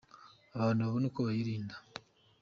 abantu babone uko bayirinda.